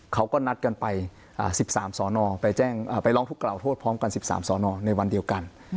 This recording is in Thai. เขาก็นัดกันไป๑๓สอนอไปร้องทุกกล่าวโทษพร้อมกัน๑๓สอนอในวันเดียวกัน